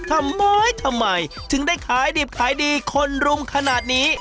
ทำไมทำไมถึงได้ขายดิบขายดีคนรุมขนาดนี้